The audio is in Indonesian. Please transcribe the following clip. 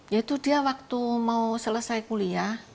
ya itu dia waktu mau selesai kuliah